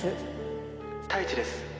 「太一です。